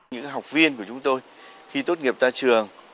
những học viên của chúng tôi khi tốt nghiệp ra trường